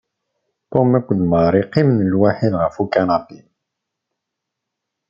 Tom akked Mary qqimen lwaḥid ɣef ukanapi.